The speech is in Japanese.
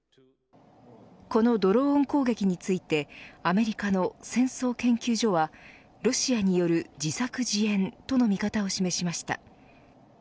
このドローン攻撃についてアメリカの戦争研究所はロシアによる自作自演との見方を示しました。